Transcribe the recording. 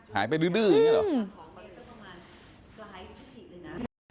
หายไปดื้ออย่างนี้เหรอ